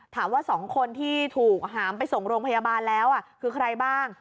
ถามว่า๒คนที่ถูกหามไปส่งโรงพยาบาลแล้วคือใครบ้าง